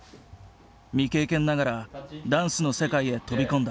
未経験ながらダンスの世界へ飛び込んだ。